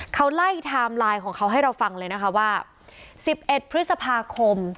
เขาไล่ไทม์ไลน์ของเขาให้เราฟังเลยนะคะว่า๑๑พฤษภาคม